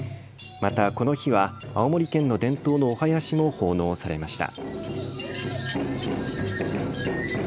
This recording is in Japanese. またこの日は青森県の伝統のお囃子も奉納されました。